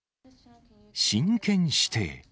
親権指定。